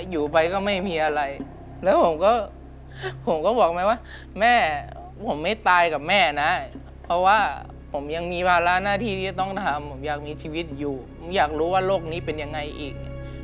อยู่ไปก็ไม่มีอะไรแล้วผมก็ผมก็บอกแม่ว่าแม่ผมไม่ตายกับแม่นะเพราะว่าผมยังมีภาระหน้าที่ที่จะต้องทำผมอยากมีชีวิตอยู่ผมอยากรู้ว่าโรคนี้เป็นยังไงอีก